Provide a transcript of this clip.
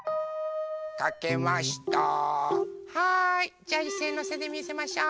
じゃあいっせいのせでみせましょう。